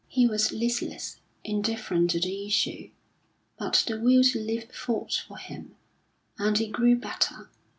He was listless, indifferent to the issue; but the will to live fought for him, and he grew better.